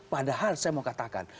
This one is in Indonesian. padahal saya mau katakan